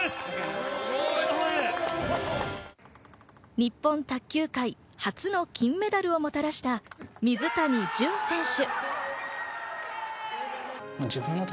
日本卓球界、初の金メダルをもたらした水谷隼選手。